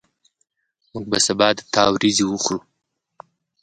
موږ به سبا د تا وریځي وخورو